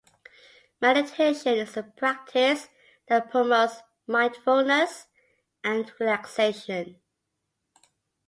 Meditation is a practice that promotes mindfulness and relaxation.